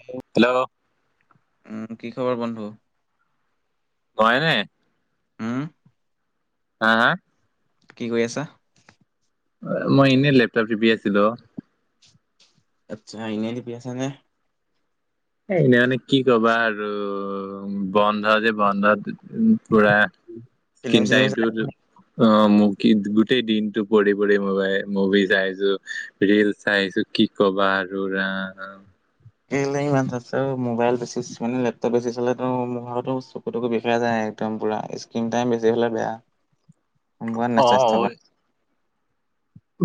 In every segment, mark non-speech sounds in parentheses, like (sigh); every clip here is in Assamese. হেল্ল হেল্ল' উম, কি খবৰ বন্ধু। হয়নে হুম! হে হে কি কৰি আছা? এ মই এনেই লেপটপ টিপি আছিলো। আচ্ছা, এনেই টিপি আছা নে? এ এনেই আমি কি ক'বা আৰু বন্ধ যে বন্ধত উম পুৰা ফিলিম তিনটাই চিলিম ইটো চাই - সিটো অঁ, মোক কি গোটেই দিনটো পৰি পৰি ম'বাই মুভি চাই আছোঁ। ৰীল চাইছোঁ কি ক'বা আৰু ৰাম কি ল ইমান চাইছে অ ' ম'বাইল বেছি মানে, লেপটপ বেছি চালেটো মোৰভাগৰটো চকু-তকু বিষাই যায় একদম পুৰা। স্কিন টাইম বেছি হ'লে বেয়া। গম পোৱা নাই অ স্বাস্থ্য ঐ, কাৰণে।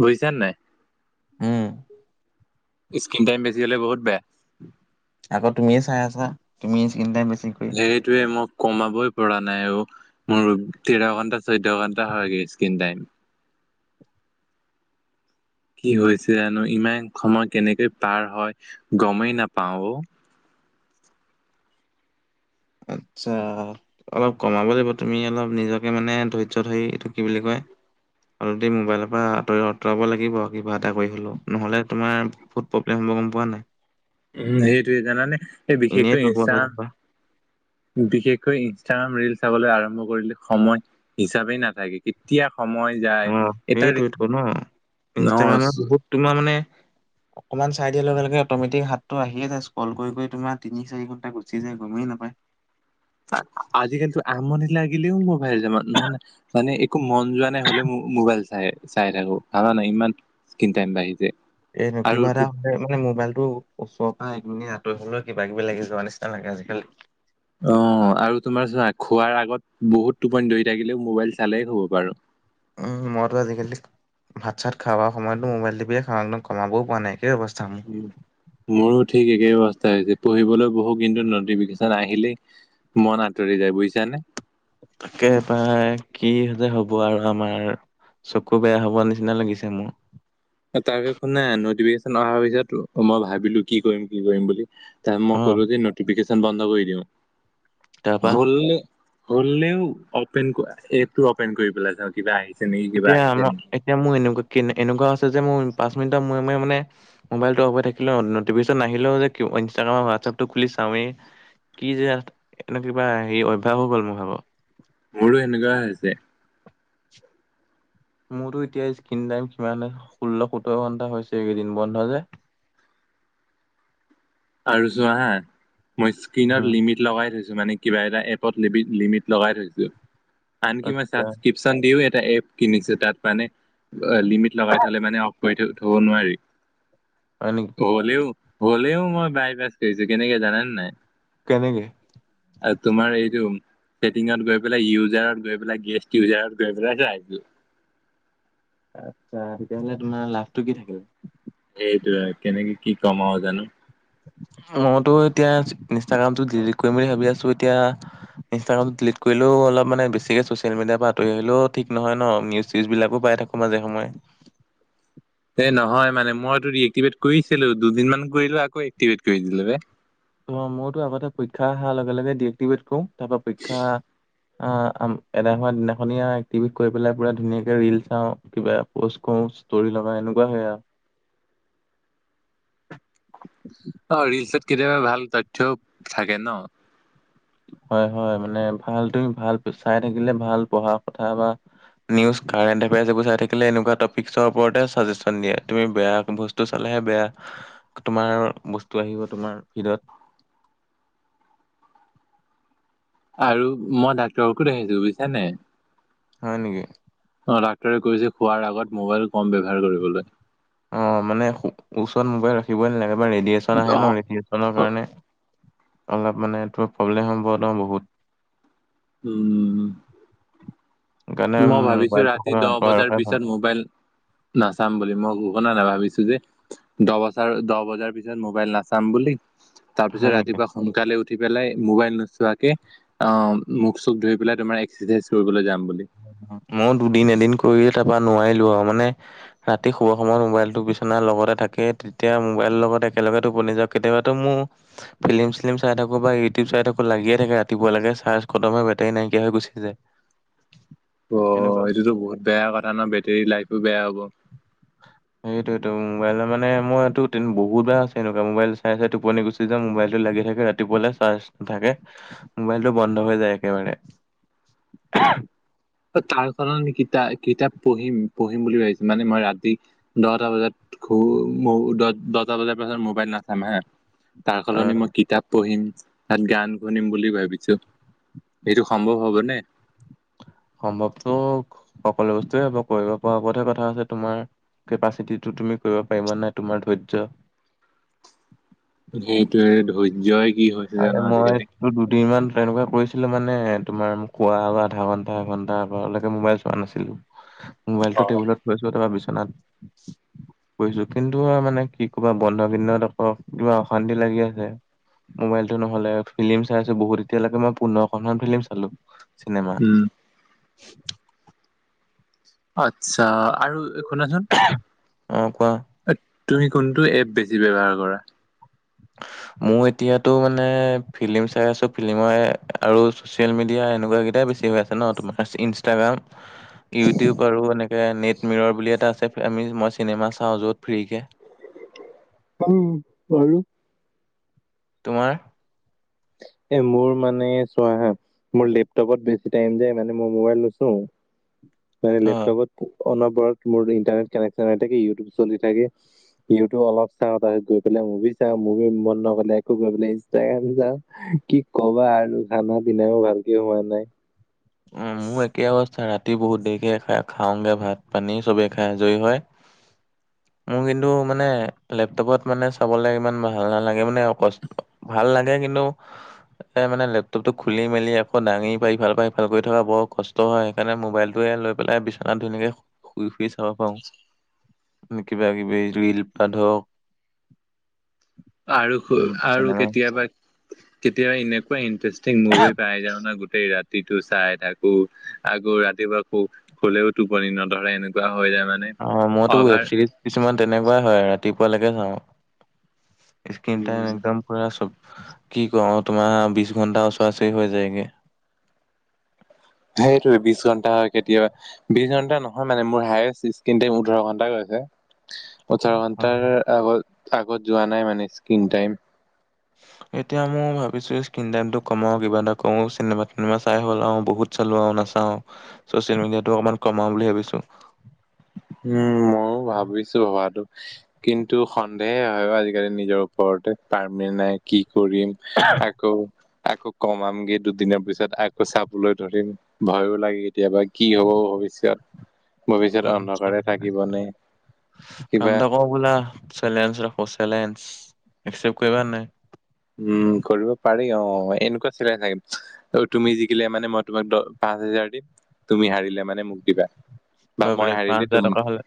বুজিছা নাই? উম। স্কিন টাইম বেছি হ'লে বহুত বেয়া। আকৌ তুমি চাই আছা? তুমি স্কিন টাইম বেছি কৰি সেইটোৱে মই কমাবই পৰা নাই অ'। মোৰ তেৰ ঘণ্টা, চৈধ্য ঘণ্টা হয়গে স্কিন্ টাইম। কি হৈছে জানো? ইমান সময় কেনেকৈ পাৰ হয় গমেই নাপাওঁ অ'। আচ্ছা অলপ কমাব লাগিব। তুমি অলপ নিজকে মানে ধৈৰ্য ধৰি এইটো কি বুলি কয়? অলপ দেৰি ম'বাইলৰ পৰা আঁতৰি আঁতৰাব লাগিব কিবা এটা কৰি হ'লেও। নহ'লে তোমাৰ বহুত প্ৰব্লেম হ'ব গম পোৱা নাই? উম, সেইটোৱে জানানে? সেই এনেই বিশেষকৈ দুৰ্বল ইনষ্টা হৈ যাবা বিশেষকৈ ইনষ্টাগ্ৰাম ৰীল চাবলৈ আৰম্ভ কৰিলে সময় হিচাপে নাথাকে। কেতিয়া সময় যায় অঁ, এটা সেইটোৱেটোক' ন'? অ ইনষ্টাগ্ৰামত বহুত তোমাৰ মানে অকমান চাই দিয়াৰ লগে লগে অট'মেটিক হাতটো আহিয়ে যায়। স্কল কৰি কৰি তোমাৰ তিনি, চাৰি ঘণ্টা গুচি যায় গমেই নাপায়। আ আ আজিকালিটো আমনি লাগিলেও মো পাৰি যাব। নহ'লে মানে একো মন যোৱা নাই হ'লেও মো ম'বাইল চাই চাই থাকো। সেইকাৰণে ইমান স্কিন টাইম বাঢ়িছে। এনেও আৰু কিবা এটা তো- এ মানে মোবাইলটো ওচৰৰ পৰা একমিনিট আঁতৰি গ'লেও কিবা-কিবি লাগি যোৱা নিচিনা লাগে আজিকালি। অঁ আৰু তোমাৰ চোৱা, খোৱাৰ আগত বহুত টোপনি ধৰি থাকিলেও মোবাইল চালেহে শুব পাৰোঁ। উম, মইটো আজি-কালি ভাত-চাত খাৱাৰ সময়টো মোবাইল টিপিয়ে খাওঁ ন '। কমাবও পৰা নাই একেই অৱস্থামোৰ। মোৰো ঠিক একেই অৱস্থা হৈছে। পঢ়িবলৈ বহো কিন্তু নটিফিকেচন আহিলেই মন আঁতৰি যায়। বুজিছানে? তাকে পাই কি যে হ'ব আৰু আমাৰ। চকু বেয়া হ'ব নিচিনা লাগিছে মোৰ। তাকে একো নাই নটিফিকেচন অহাৰ পিছত মই ভাৱিলোঁ কি কৰিম, কি কৰিম বুলি। তেতিয়া মই অ', ক'লো যে নটিফিকেশ্যন বন্ধ কৰি দিয়ক। তাৰপা? হ'লে হ'লেও অপেন ক ' এপটো অপেন কৰি পেলাই চাওঁ। কিবা আহি এতিয়া আম এতিয়া মোৰ এনেকুৱা কেনে এনেকুৱা হৈছে যে মোৰ পাঁচ মিনিটৰ মূৰে মূৰে মানে ম'বাইলটো অফ হৈ থাকিলেও, নতিফিকেশ্যন নাহিলেও যে কি হ'ব, ইষ্টাগ্ৰাম আৰু হোৱাটছএপটো খুলি চাওঁৱেই। কি যে এনে কিবা হেৰি অভ্যাস হৈ গ'ল মোৰ ভাগ। মোৰো এনেকুৱাই হৈছে। মোৰো এতিয়া স্কিন টাইম চোৱা নাই। ষোল্ল, সোতৰ ঘণ্টা হৈছে এইকেইদিন বন্ধ যে। আৰু চোৱা হাঁ, মই স্কিনত উম লিমিট লগাই থৈছোঁ মানে কিবা এটা এপট লিমিট লিমিট লগাই থৈছোঁ। আনকি মই আচ্ছা ছাবস্ক্ৰীপ্ চনদিও এটা এপ কিনিছো তাত মানে লিমিট লগাই থলে মানে অফ কৰি থব নোৱাৰি হয় নেকি হ'লেও হলেও মই বাইপাছ কৰিছো কেনেকে জানেনে নাই কেনেকে তোমাৰ এই টো ছেটিঙত গৈ পেলাই ইউজাৰত গৈ পেলাই গেষ্ট ইউজাৰত গৈ পেলাইতো আহিছো আচ্ছা তেতিয়াহ'লে তোমাৰ লাভটো কি থাকিল সেইটোয়ে কেনেকে কি কম আৰু জানো মইতো এতিয়া ইনষ্টাগ্ৰামতটো ডিলিট কৰিম বুলি ভাবি আছো এতিয়া ইনষ্টাগ্ৰামত ডিলিট কৰিলেও অলপান বেছিকে চচিয়েল মিডাৰ পৰা আঁৰি আহিলও ঠিক নহয় ন নিউজ চউজ বিলাকো পাই থাকো মাজে সময়ে এ নহয় মানে মই তোৰ ৰিক্টিভেট কৰিছিলো দুদিনমান কৰিলো আকৌ এক্টিভেট কৰিদিলো বে অ মইতো আগতে পৰীক্ষা অহাৰ লগে লগে ডি ডিক্টিভেট কৰো তাৰ পৰা পৰীক্ষা অ এদাই হোৱা দিনাখনীয়া এক্টিভি কৰি পেলাই পুৰা ধুনীয়াকে ৰিলচ চাওঁ কিবা পোষ্ট (unintelligible) ষ্টৰি লগা এনেকুৱা হয়ে আৰু অ ৰিলচত কেতিয়াবা ভাল তথ্যও থাকে ন হয় হয় মানে ভাল তুমি ভাল চাই থাকিলে ভাল পঢ়া কথা বা নিউজ কাৰেণ্ট এফয়াৰছ বুজা থাকিলে এনেকুৱা টিকছৰ ওপৰতে চাকজেচন দিয়ে তুমি বেয়া বস্তু চালেহে বেয়া তোমাৰ বস্তু আহিব তোমাৰ ভিডত আৰু মই ডাক্তৰৰ কো দেখিছো বুজিছানে হয় নেকি অ ডাক্তৰে কৈছে খোৱাৰ আগত মোবাইল কম ব্যৱহাৰ কৰিবলৈ অ মানে ওচৰত মোবাইল ৰাখিবই নালাগে ৰেডিয়েচন আহে ন অ', ৰেডেচন নৰ অ- কাৰণে অলপ মানে তোৰ প্ৰব্লেম সম্ভত বহুত উম উম উম সেইকাৰণে মই ভাবিছো মোবাইলটো ৰাতি অকমান দহ আঁতৰাই বজাৰ ৰখাই ভাল পিছত মোবাইল নাচাম বুলি মই ঘোষনা নাভাবিছো যে দহ বজাৰ দহ বজাৰ পিছত মোবাইল নাচাম বুলি তাৰ হয় পিছত নেকি? ৰাতিপুৱা সোনকালে উঠি পেলাই মোবাইল নোচোৱাকে অ মুখ চুখ ধূই পেলাই তোমাৰ এক্সাৰচাইজ কৰিবলৈ যাম বুলি মইয়ো দুদিন এদিন কৰিয়ে তাপা নোৱাৰিলো আৰু মানে ৰাতি শুৱা সময়ত মোবাইলটো বিচনাৰ লগতে থাকেই তেতিয়া মোবাইলৰ লগত একেলগে টোপনি যাবি কেতিয়াবাতো মোৰ ফিলি্ম চিলিম চাই থাকোঁ বা ইউটিউব চাই থাকো লাগিয়ে থাকে ৰাতিপুৱা লৈকে চাৰ্জ খতম হয় বেটেৰী নাইকিয়া হৈ গচি যায় অ এনেকুৱা এইটোতো বহুত বেয়া কথা ন বেটেৰী লাইফো বেয়া হ'ব সেইটোটো মোবাইল মানে মই এইটো বহুত বেয়া আছে এনেকুৱা মোবাইল চাই চাই টোপনি গুচি (unintelligible) মোবাইলটো লাগি থাকে ৰাতিপুৱালা চাৰ্জ নাথাকে মোবাইলতটো বন্ধ হৈ যায় একেবাৰে (unintelligible) (unintelligible) কিতা কিতাপ পঢ়িম পঢ়িম বুলি ভাবিছো মানে মই ৰাতি দহটা বজাত খু দ মো দহটা বজাৰ পাছত মোবাইল নাচাম হা তাৰ অ সলনি মই কিতাপ পঢ়িম তাত গান শুনিম বুলি ভাবিছো সেইটো সম্ভৱ হ'ব নে সম্ভৱতো সকলো বস্তুৱয়ে হব কৰিব পৰা উপতহে কথা আছে তোমাৰ কেপাচিটিটো তুমি কৰিব পাৰিবা নাই তোমাৰ ধৈৰ্য সেইটোৱে ধৈৰ্যই কি হৈছে আৰে জানো মই আজিকালি। ত দুদিনমান তেনেকুৱা কৰিছিলোঁ মানে, তোমাৰ কোৱা আধা ঘণ্টা এঘণ্টা লৈকে মোবাইল চোৱা নাছিলোঁ। মোবাইলটো অ'। টেবুলত থৈছিলো, তাপা বিচনাত- কৰিছো। কিন্তু হয় মানে কি কবা বন্ধ কেইদিনত আকৌ কিবা অশান্তি লাগি আছে। মোবাইলতটো নহ'লে ফিলিম চাই আছো বহুত এতিয়ালৈকে মই পোন্ধৰখন ফিলিম চালো। চিনেমা। উম, আচ্ছা। আৰু শুনাচোন! অ কোৱা তুমি কোনটো এপ বেছি ব্যৱহাৰ কৰা? মোৰ এতিয়াতো মানে ফিলিম চাই আছো, ফিল্মৰ হে আৰু- চচিয়েল মিডিয়া এনেকুৱা কেইটাই বেছি হৈ আছে ন তোমাৰ ইনষ্টাগ্ৰাম। ইউটিউব আৰু- নেট মিৰৰ বুলি এটা আছে আমি মই চিনেমা চাওঁ য'ত ফ্ৰীকে। পাম বাৰু। তোমাৰ? এ মোৰ মানে চোৱা হা! মোৰ লেপটপত বেছি টাইম যায় মানে মই মোবাইল নোছো। মানে অ লেপটপত- অনবৰত মোৰ ইণ্টাৰনেট কানেকশচন হৈ থাকে, ইউটিউব চলি থাকে। ইউটিউব অলপ চাওঁ, তাৰপিত গৈ পেলাই মুভি চাওঁ, মুভি মন নগলে আকো গৈ পেলাই ইনষ্টাগ্ৰাম চাওঁ। কি কবা আৰু খানা পিনাইও ভালকে হোৱা নাই। অ মোৰ একে অৱস্থা, ৰাতি বহুত দেৰিকে খাই খাওঁগে ভাত পানী চবে খাই আজৰি হয়। (inaudible) মোৰ কিন্তু মানে লেপটপত মানে চাবলৈ ইমান ভাল নালাগে। মানে অকষ্ট- ভাল লাগে কিন্তু, এ মানে লেপটপতটো খুলি মেলি আকৌ দাঙি পাই ইফালৰ পৰা সি- ফাল কৰি থকা বৰ কষ্ট হয়, সেইকাৰণে মোবাইলটোকে লৈ পেলাই বিচনাত ধুনীয়াকৈ শুই শুই চাব পাওঁ। কিবা কিবি ৰিল পা ধৰক (inaudible) আৰু উম, আৰু চিনেমা কেতিয়াবা, কেতিয়াবা এনেকুৱা ইণ্টাৰেষ্টিং মুভি পাই যাওঁ নহয়, গো- গোটেই ৰাতিটো চাই থাকো। আকৌ ৰাতিপুৱা শু- শুলেও টোপনি নধৰে এনেকুৱা হৈ যায় মানে। অ মইতো অভাৰ ৱেব চিৰিজ কিছুমান তেনেকুৱাই হয় ৰাতিপুৱালৈকে চাওঁ। স্কিন টাইম উম। একদম পুৰা চব কি কওঁ তোমাৰ বিশ ঘণ্টা ওচৰা ওচৰি হৈ যায়গে। সেইটোৱে, বিশ ঘণ্টা হয় কেতিয়াবা। বিশ ঘণ্টা নহয় মানে মোৰ হায়েচ স্ক্ৰীন টাইম ওঠৰ ঘণ্টা হৈছে। ওঠৰ উম, ঘন্টাৰ আগত আগত যোৱা নাই মানে স্ক্ৰীন টাইম। এতিয়া মই ভাবিছোঁ স্ক্ৰীণ টাইমটো কমাওঁ, কিবা এটা কৰো, চিনেমা টিনেমা চাই হ'ল আৰু বহুত- চালো আৰু নাচাওঁ আও। চচিয়েল মিডিয়াতটো অকনমান কমাওঁ বুলি ভাবিছো। উম ময়ো ভাবিছো ভবাটো। কিন্তু সন্দেহে হয় ক আজিকালি নিজৰ ওপৰতে। পাৰ্মেন নাই কি কৰিম। আহ আকৌ আকৌ কমামগে দুদিনৰ পিছত আকৌ চাবলৈ ধৰিম। ভয়ো লাগে কেতিয়াবা কি হব ভৱিষ্যত! ভৱিষ্যত অন্ধ- কাৰে থাকিবনে, কিবা- অ ব'লা, চেলেঞ্জা ৰাখো চেলেঞ্জা। এক্সেপ কৰিবা নাই? উম কৰিব পাৰি অ। এনেকুৱা চেলেঞ্জা থাকিম। তুমি জিকিলে মানে মই তোমাক দ পাঁচ হোজাৰ দিম। তুমি হাৰিলে মানে মোক দিবা। বা হ'ব মই পাৰে। পাঁচ হাৰিলে হাজাৰ তুম টকা হ'লে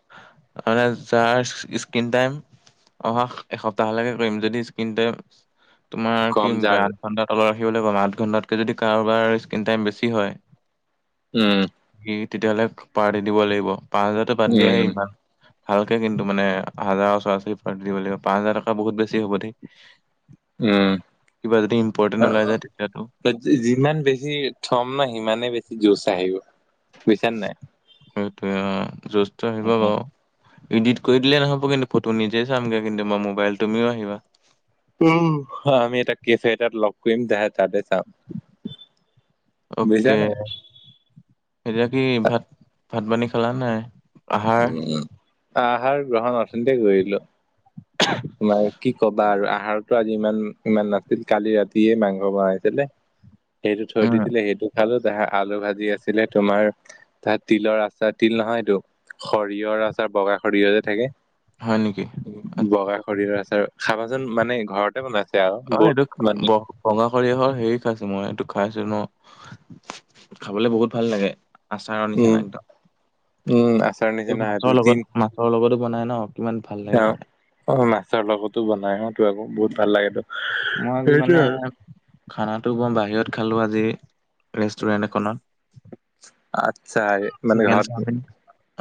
মানে যাৰ স্ক্ৰীন টাইম - অহা এসপ্তাহলৈকে কৰিম যদি স্ক্ৰীনটো, তোমাৰ কম কিম যাৰ আঠ ঘণ্টাত তলত ৰাখিবলৈ ক'ম, আঠ ঘণ্টাতকৈ যদি কাৰোবাৰ স্ক্ৰীিন টাইম বেছি হয় উম। ই, তেতিয়াহ'লে পাৰ্টি দিব লাগিব, পাঁচ হাজাৰতো বাদ দিয়াহে উম ইমান। ভালকে কিন্তু মানে হাজাৰৰ উচৰা ওচৰী পাৰ্টি দিব লাগিব, পাঁচ হাজাৰ টকা বহুত বেছি হ'ব দেই। উম, কিবা যদি অ, ইম্পৰ্টেণ্ট ওলাই যায় তেতিয়াতো যিমান বেছি থম না সিমানেই বেছি জুচ আহিব বুজিছা নে নাই? সেইটোৱে অ' জুচটো আহিব বাৰু। ইডিট কৰি দিলে নহ'ব কিন্তু ফটো নিজেই চামগে কিন্তু মই মোবাইল, তুমিও আহিবা। উ, আমি এটা কেফে এটাত লগ কৰিম দে তাতে চাম। অকে। বুজিছানে? এতিয়া কি ভাত ভাত পানী খালা নাই? আহাৰ উম, আহাৰ গ্ৰহণ অথনিতে কৰিলোঁ। তোমাৰ কি ক'বা আৰু আহাৰতো আজি ইমান ইমান নাছিল, কালি ৰাতিয়ে মাংস বনাইছিলে। সেইটো থৈ উম, দিছিলে, সেইটো খালো তাহা আলু ভাজি আছিলে তোমাৰ তাত তিলৰ আচাৰ, তিল নহয় এইটো সৰিয়হৰ আচাৰ, বগা সৰিয়হ যে থাকে। হয় নেকি? বগা আচ্ছা, সৰিয়হ আচাৰ, খাবাচোন মানে ঘৰতে বনাইছে আৰু অ', এইটো বহুত ব মানে বগা সৰিয়হৰ হেৰি খাইছোঁ মই এইটো খাইছোঁ ন' খাবলে বহুত ভাল লাগে। আচাৰৰ উম নিচিনা একদম। উম, আচাৰ নিচিনা হয় মাছৰ দুই লগত তিন মাছৰ লগতো বনাই ন' কিমান ভাল লাগে অ', খাই। অ' মাছৰ লগতো বনাই হয়তো আকৌ বহুত ভাল লাগে তাত। মই আজি মানে খানাটো মই বাহিৰত খালোঁ আজি। ৰেষ্টুৰেণ্ট এখনত। আচ্ছা। মানে চিকেন ঘৰত চাওমিন,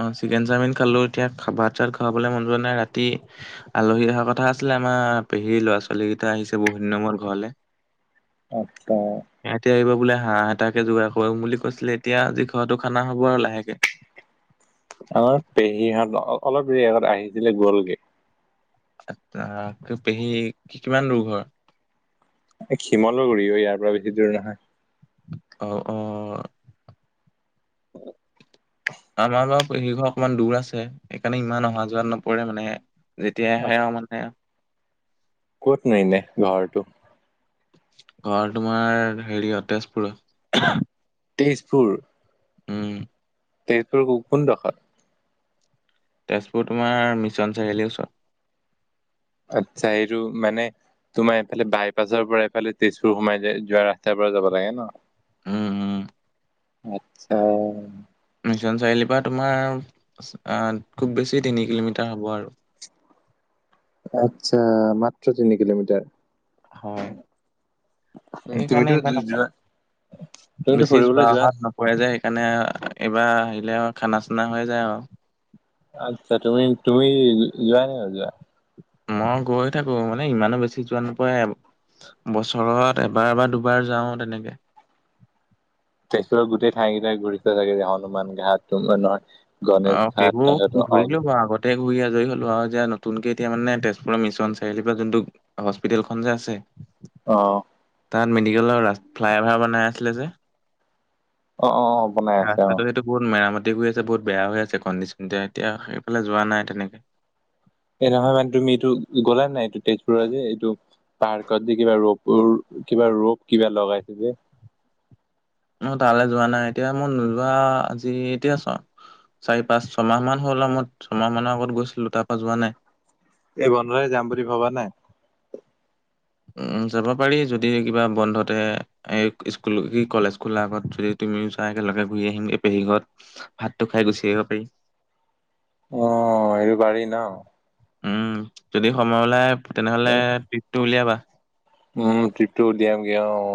অ' চিকেন চাওমিন খেলোঁ এতিয়া ভাত চাত খাৱাবলৈ মন যোৱা নাই ৰাতি আলহী অহাৰ কথা আছিলে আমাৰ, পেহীৰ ল'ৰা ছোৱালী কেইটা আহিছে, বহুত দিনৰ মূৰত ঘৰলে। আচ্ছা। সিহঁতি আহিব বোলে, হাঁহ এটাকে যোগাৰ কৰিম বুলি কৈছিলে, এতিয়া আজি ঘৰতো খানা হ'ব আৰু লাহেকে। আমাৰ পেহীহত অলপ দেৰি আগত আহিছিলে, গ'লগে। আচ্ছা, পেহী কিমান দূৰ ঘৰ? শিমলগুৰি অ' ইয়াৰপৰা বেছি দূৰ নহয়। অ', অ'। আমাৰ বাৰু পেহীৰ ঘৰ অকণমান দূৰ আছে, সেইকাৰণে ইমান অহা যোৱাত নপৰে মানে। যেতিয়াই আহে আৰু মানে ক'তনো এনে ঘৰটো? ঘৰ তোমাৰ হেৰিয়ত তেজপুৰত। তেজপুৰ? উম। তেজপুৰ কোনডখত? তেজপুৰ তোমাৰ মিছন চাৰিআলিৰ ওচৰত। আচ্ছা, এইটো মানে তোমাৰ এইফালে বাইপাছৰপৰা এইফালে তেজপুৰ সোমাই যায়, যোৱা ৰাস্তাৰপৰা যাব লাগে ন'? উম, উম। আচ্ছা। মিছন চাৰিআলিৰপৰা তোমাৰ আ, খুব বেছি তিনি কিলোমিটাৰ হ'ব আৰু। আচ্ছা, মাত্ৰ তিনি কিলোমিটাৰ। হয়। তুমিতো সেইকাৰণে ইমান, যো- যোৱা তুমিতো বেছি ফুৰিবলৈ যোৱা অহাত নহ পুৱাই যায় সেইকাৰণে এইবাৰ আহিলে আৰু খানা চানা হৈ যায় আৰু। আচ্ছা তুমি-তুমি, যোৱা নে নোযোৱা? মই গৈ থাকো মানে ইমানো বেছি যোৱা নোপাই বছৰত এবাৰ বা দুবাৰ যাও তেনেকে। তেজপুৰত গোটেই ঠাইকেইটাই ঘুৰিছা চাগে যে হনুমান ঘাট, অ' নহয় গণেশ ঘাট তহতো অগ গোটেই ঘূৰি আজৰি হ'লো আৰু এতিয়া নতুনকে এতিয়া মানে তেজপুৰৰ মিছন চাৰিআলিৰ পৰা যোনটো হস্পিতেলখন যে আছে অ। তাত মেডিকেলৰ ৰাস ফ্লাই অভাৰ বনাই আছিলে যে? অ-অ-অ, বনাই আছে অ। ৰাস্তাটো সেইটো বহুত মেৰামতি কৰি আছে, বহুত বেয়া হৈ আছে কণ্ডিচন, এ-এতিয়া সেইফালে যোৱা নাই তেনেকে। এ নহয় মানে তুমি এইটো গ'লা নাই এইটো তেজপুৰৰ যে এইটো পাৰ্কত যে কিবা ৰপ ৰ কিবা ৰপ কিবা লগাইছে যে? অ', তালে যোৱা নাই এতিয়া মই নোযোৱা আজি এতিয়া চ চাৰি - পাঁচ ছয়মাহমান হ'ল আৰু মই ছয়মাহমানৰ আগত গৈছিলোঁ, তাৰপৰা যোৱা নাই। এই বন্ধতে যাম বুলি ভবা নাই? উম, যাব পাৰি যদি কিবা বন্ধতে এ স্কুল কি কলেজ খোলাৰ আগত যদি তুমিও যোৱা একেলগে ঘূৰি আহিম এই পেহী ঘৰত। ভাতটো খাই গুচি আহিব পাৰি। অ', সেইটো পাৰি ন'। উম, যদি সময় ওলাই তেনেহলে ট্ৰিপটো উলিয়াবা? উম ট্ৰিপটো উলিয়ামগে অ অ।